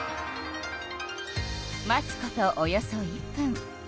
待つことおよそ１分。